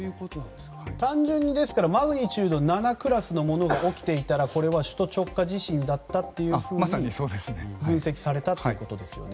単純にマグニチュード７クラスのものが起きていたら首都直下地震だったというふうに分析されたということですね。